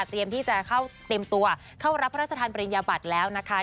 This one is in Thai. ที่จะเข้าเตรียมตัวเข้ารับพระราชทานปริญญาบัตรแล้วนะคะ